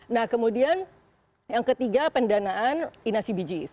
nah kemudian yang ketiga pendanaan inasibijis